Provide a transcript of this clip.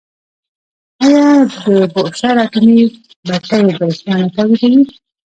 آیا د بوشهر اټومي بټۍ بریښنا نه تولیدوي؟